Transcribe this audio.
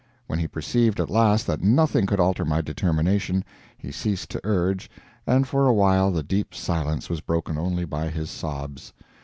When he perceived at last that nothing could alter my determination, he ceased to urge, and for a while the deep silence was broken only by his sobs.